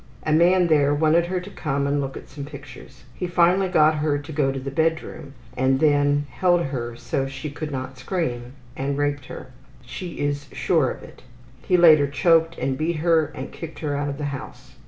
A man there wanted her to come and look at some pictures. He finally got her to go to a bedroom and then held her so she could not scream, and raped her. She is sure of it. He later choked and beat her and kicked her out of the house.